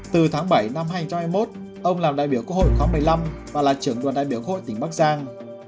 từ tháng bảy năm hai nghìn hai mươi một ông làm đại biểu quốc hội khóa một mươi năm và là trưởng đoàn đại biểu quốc hội tỉnh bắc giang